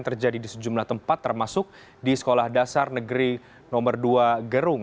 terjadi di sejumlah tempat termasuk di sekolah dasar negeri nomor dua gerung